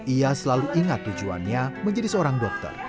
ia selalu ingat tujuannya menjadi seorang dokter